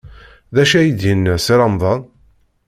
D acu ay d-yenna Si Remḍan?